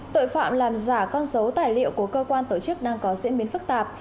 tội phạm làm giả con dấu tài liệu của cơ quan tổ chức đang có diễn biến phức tạp